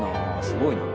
すごいな。